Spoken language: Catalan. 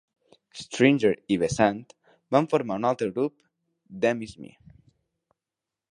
Stringer i Bessant van formar un altre grup "Them Is Me".